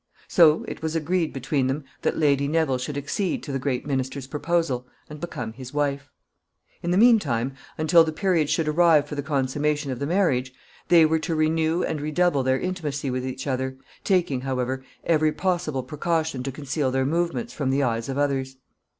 So it was agreed between them that Lady Neville should accede to the great minister's proposal and become his wife. In the mean time, until the period should arrive for the consummation of the marriage, they were to renew and redouble their intimacy with each other, taking, however, every possible precaution to conceal their movements from the eyes of others.